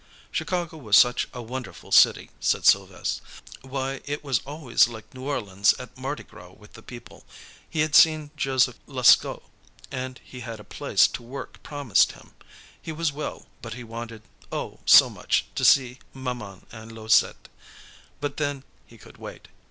Chicago was such a wonderful city, said Sylves'. Why, it was always like New Orleans at Mardi Gras with the people. He had seen Joseph Lascaud, and he had a place to work promised him. He was well, but he wanted, oh, so much, to see maman and Louisette. But then, he could wait.